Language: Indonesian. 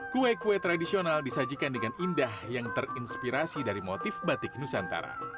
kue kue tradisional disajikan dengan indah yang terinspirasi dari motif batik nusantara